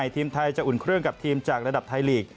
ทีมไทยจะอุ่นเครื่องกับทีมจากระดับไทยลีก